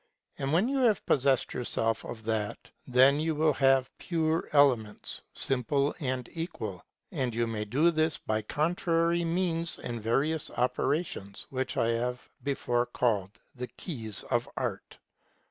And when you have possessed yourself of that, then you will have pure elements, simple and equal ; and you may do this by contrary means and various operations, which I have before called the Keys of Art.